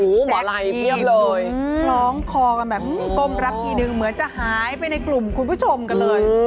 แจ๊กดีร้องคอกันแบบก้มรับทีนึงเหมือนจะหายไปในกลุ่มคุณผู้ชมกันเลย